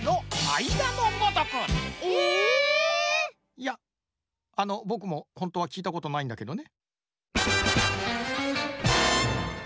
⁉いやあのぼくもほんとはきいたことないんだけどね。